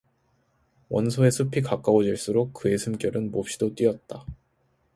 원소의 숲이 가까워질수록 그의 숨결은 몹시도 뛰었다.